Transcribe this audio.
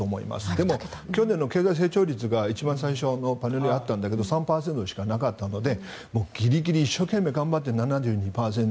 でも、去年の経済成長率が一番最初のパネルにあったんだけど３％しかなかったのでギリギリ、一生懸命頑張って７．２％。